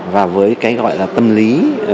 và với cái gọi là tâm lý